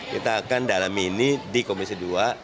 kita akan dalam ini di komisi dua